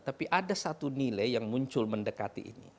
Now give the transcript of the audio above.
tapi ada satu nilai yang muncul mendekati ini